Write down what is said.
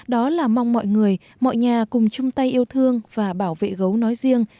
đó là mong mọi người mọi nhà cùng chung tay yêu thương và bảo vệ gấu nói riêng